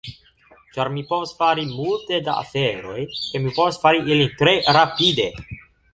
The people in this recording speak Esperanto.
ĉar mi povas fari multe da aferoj, kaj mi povas fari ilin tre rapide